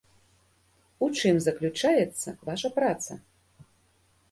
У чым заключаецца ваша праца?